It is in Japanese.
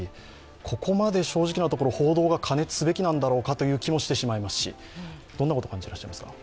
ここまで正直なところ報道が過熱すべきなんだろうかという気もしてしまいますし、どんなこと感じてらっしゃいますか？